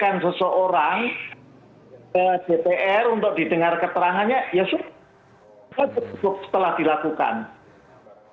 kalau soal pasal itu sudah ada di undang undang sebelumnya seperti apa pak rasul